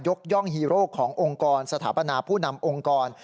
ย่องฮีโร่ขององค์กรสถาปนาผู้นำองค์กร